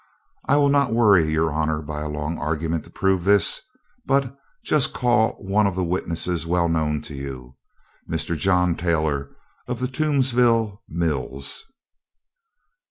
I will not worry your honor by a long argument to prove this, but just call one of the witnesses well known to you Mr. John Taylor of the Toomsville mills."